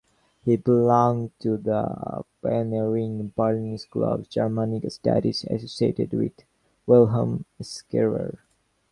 He belonged to the pioneering Berlin school of Germanic studies associated with Wilhelm Scherer.